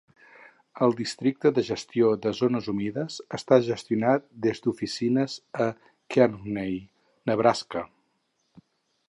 El Districte de Gestió de Zones Humides està gestionat des d'oficines a Kearney, Nebraska.